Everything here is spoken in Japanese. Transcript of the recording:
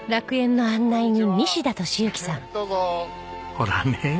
ほらね。